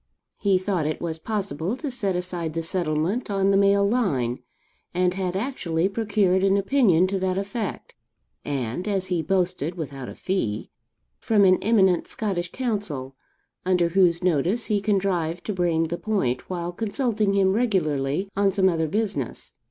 He thought it was possible to set aside the settlement on the male line, and had actually procured an opinion to that effect (and, as he boasted, without a fee) from an eminent Scottish counsel, under whose notice he contrived to bring the point while consulting him regularly on some other business.